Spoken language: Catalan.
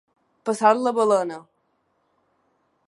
Passar la balena.